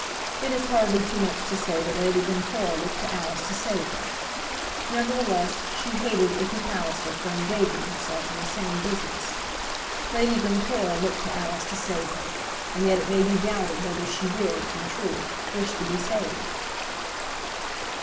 It is hardly too much to say that Lady Glencora looked to Alice to save her. Nevertheless she hated Iphy Palliser for engaging herself in the same business. Lady Glencora looked to Alice to save her, and yet it may be doubted whether she did, in truth, wish to be saved.